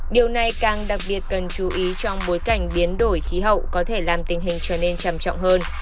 điều này càng đặc biệt cần chú ý trong bối cảnh biến đổi khí hậu có thể làm tình hình trở nên trầm trọng hơn